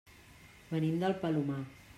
Venim del Palomar.